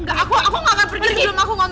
aku gak akan pergi sebelum aku ngomong